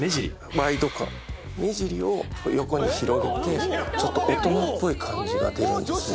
目尻を横に広げてちょっと大人っぽい感じが出るんですね。